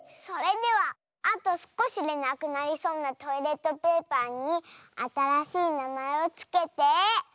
それではあとすこしでなくなりそうなトイレットペーパーにあたらしいなまえをつけて。